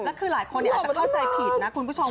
แล้วคือหลายคนอาจจะเข้าใจผิดนะคุณผู้ชม